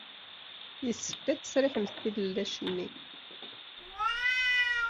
Yessefk ad tesriḥemt tilellac-nni.